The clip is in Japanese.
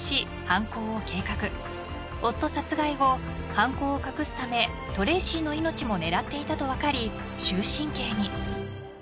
犯行を隠すためトレイシーの命も狙っていたと分かり終身刑に］